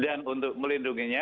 dan untuk melindunginya